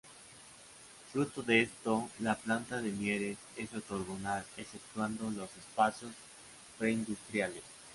Fruto de esto la planta de Mieres es ortogonal exceptuando los espacios preindustriales.